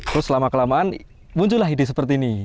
terus lama kelamaan muncullah ide seperti ini